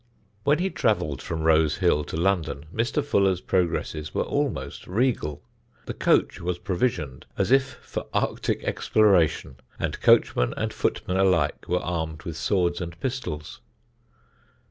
When he travelled from Rose Hill to London Mr. Fuller's progresses were almost regal. The coach was provisioned as if for arctic exploration and coachman and footmen alike were armed with swords and pistols.